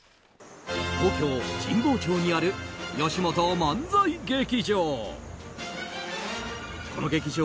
東京・神保町にあるよしもと漫才劇場。